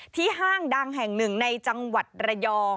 ห้างดังแห่งหนึ่งในจังหวัดระยอง